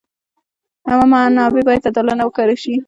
عامه منابع باید عادلانه وکارول شي.